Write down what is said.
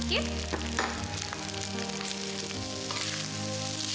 terima kasih pak